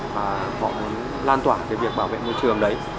và họ muốn lan tỏa cái việc bảo vệ môi trường đấy